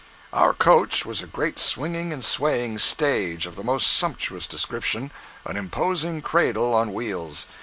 Our coach was a great swinging and swaying stage, of the most sumptuous description—an imposing cradle on wheels.